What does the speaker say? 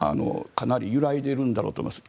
かなり揺らいでいるんだろうと思います。